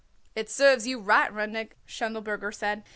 "It serves you right, Rudnik," Schindelberger said.